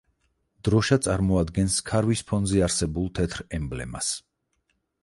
დროშა წარმოადგენს ქარვის ფონზე არსებულ თეთრ ემბლემას.